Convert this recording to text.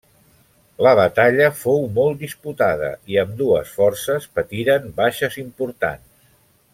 La batalla fou molt disputada i ambdues forces patiren baixes importants.